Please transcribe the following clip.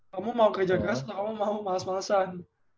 kamu mau kerja keras atau kamu mau males malesan